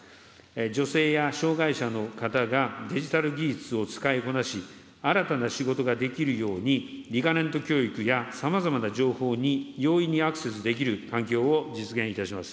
女性や障害者の方がデジタル技術を使いこなし、新たな仕事ができるようにリカレント教育やさまざまな情報に容易にアクセスできる環境を実現いたします。